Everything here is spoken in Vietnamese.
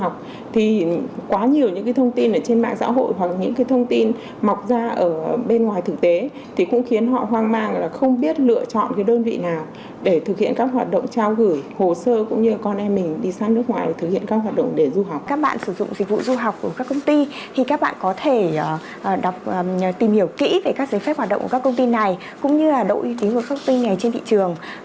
cũng như là đội tính của các công ty này trên thị trường